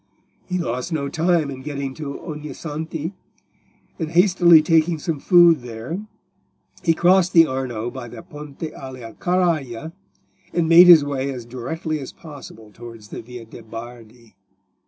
He lost no time in getting to Ognissanti, and hastily taking some food there, he crossed the Arno by the Ponte alia Carraja, and made his way as directly as possible towards the Via de' Bardi.